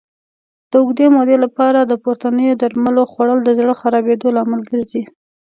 د اوږدې مودې لپاره د پورتنیو درملو خوړل د زړه خرابېدو لامل ګرځي.